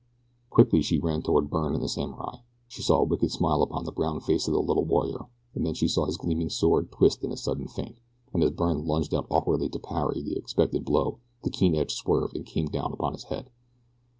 Quickly she ran toward Byrne and the samurai. She saw a wicked smile upon the brown face of the little warrior, and then she saw his gleaming sword twist in a sudden feint, and as Byrne lunged out awkwardly to parry the expected blow the keen edge swerved and came down upon his head.